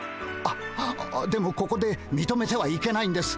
あっでもここでみとめてはいけないんです。